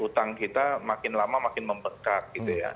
utang kita makin lama makin membekak